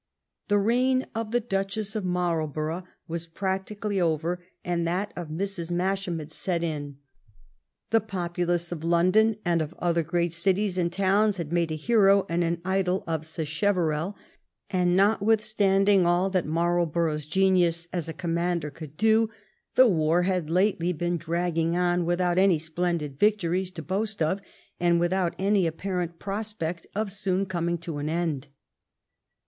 The reign of the Duchess of Marlborough was practically over, and that of Mrs. Masham had set in. The populace of London and of other great cities and towns had made a hero and an idol of Sa cheverell, and notwithstanding all that Marlborough^s genius as a commander could do, the war had lately been dragging on without any splendid victories to boast of and without any apparent prospect of soon coming to an end.